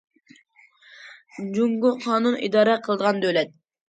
جۇڭگو قانۇن ئىدارە قىلىدىغان دۆلەت.